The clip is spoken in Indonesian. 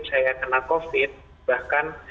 saya kena covid bahkan